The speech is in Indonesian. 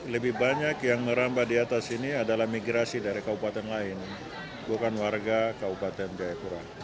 lebih banyak yang merambah di atas ini adalah migrasi dari kabupaten lain bukan warga kabupaten jayapura